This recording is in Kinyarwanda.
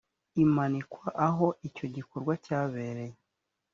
imanikwa aho icyo gikorwa cyabereye